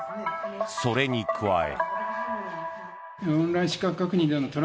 それに加え。